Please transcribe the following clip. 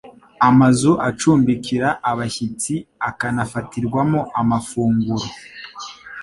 Amazu acumbikira abashyitsi akanafatirwamo amafunguro.